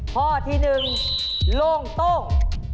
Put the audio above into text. ก่อที่๑โลงโตง